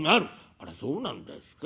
「あらそうなんですか。